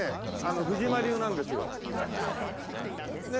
藤間流なんですよ。ねえ。